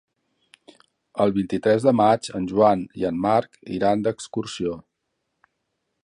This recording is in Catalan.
El vint-i-tres de maig en Joan i en Marc iran d'excursió.